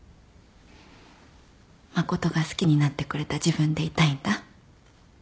誠が好きになってくれた自分でいたいんだ。